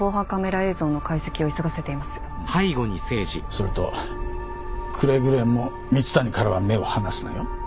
それとくれぐれも蜜谷からは目を離すなよ。